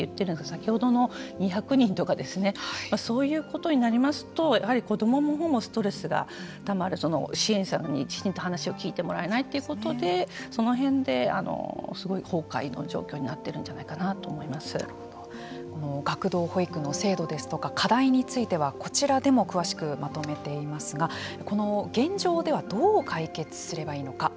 先ほどの２００人とかそういうことになりますとやはり子どものほうもストレスがたまる支援者にきちんと話を聞いてもらえないということでその辺ですごい崩壊の状況になっているんじゃないかこの学童保育の制度ですとか課題についてはこちらでも詳しくまとめていますがこの現状ではどう解決すればいいのか。